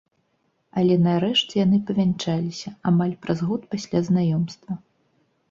Але нарэшце яны павянчаліся, амаль праз год пасля знаёмства.